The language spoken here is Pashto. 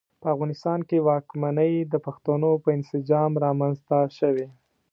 په افغانستان کې واکمنۍ د پښتنو په انسجام رامنځته شوې.